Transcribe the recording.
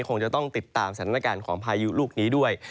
คงจะต้องติดตามสถานการณ์ของพายุลูกนี้ด้วย